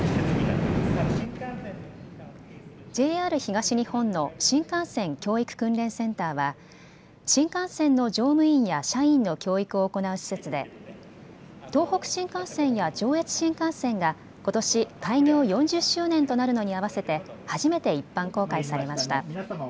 ＪＲ東日本の新幹線教育・訓練センターは新幹線の乗務員や社員の教育を行う施設で東北新幹線や上越新幹線がことし開業４０周年となるのにあわせて初めて一般公開されました。